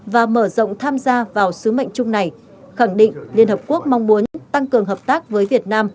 và mở rộng tham gia vào sứ mệnh chung này khẳng định liên hợp quốc mong muốn tăng cường hợp tác với việt nam